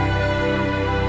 dia berusia lima belas tahun